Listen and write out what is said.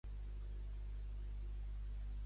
Cadwaladr va tenir set fills amb tres dones diferents.